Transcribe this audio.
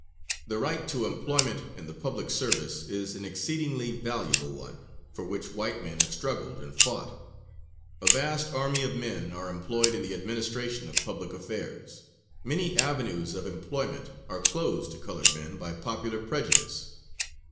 The right to employment in the public service is an exceedingly valuable one, for which white men have struggled and fought. A vast army of men are employed in the administration of public affairs. Many avenues of employment are closed to colored men by popular prejudice.